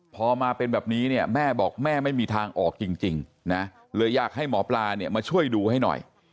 พอมาเป็นแบบนี้เนี่ยแม่บอกแม่ไม่มีทางออกจริงนะเลยอยากให้หมอปลาเนี่ยมาช่วยดูให้หน่อย